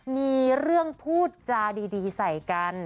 มีเรื่องพูดจาดีใส่กัน